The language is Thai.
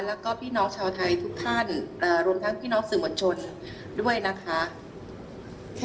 แล้วก็พี่น้องชาวไทยทุกท่านรวมทั้งพี่น้องสื่อมวลชนด้วยนะคะ